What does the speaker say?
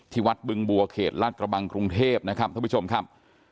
วัดบึงบัวเขตลาดกระบังกรุงเทพนะครับท่านผู้ชมครับ